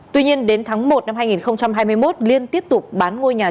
tuy nhiên đến tháng một năm hai nghìn hai mươi một liên tiếp tục bán ngôi nhà